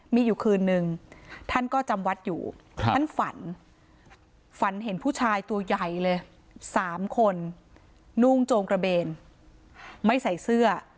มีอยู่คืนนึงท่านก็จำวัดอยู่ท่านฝันฝันเห็นผู้ชายตัวใหญ่เลย๓คนนุ่งโจงกระเบนไม่ใส่เสื้อ